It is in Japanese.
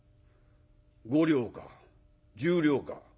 ５両か１０両か。